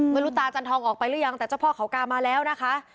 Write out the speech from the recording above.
ตาจันทองออกไปหรือยังแต่เจ้าพ่อเขากามาแล้วนะคะ